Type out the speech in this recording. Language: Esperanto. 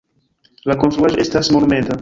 La konstruaĵo estas monumenta.